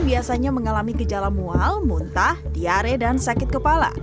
biasanya mengalami gejala mual muntah diare dan sakit kepala